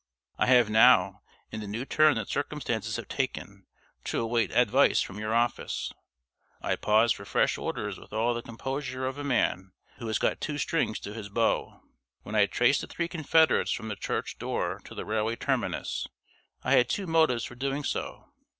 I have now, in the new turn that circumstances have taken, to await advice from your office. I pause for fresh orders with all the composure of a man who has got two strings to his bow. When I traced the three confederates from the church door to the railway terminus, I had two motives for doing so.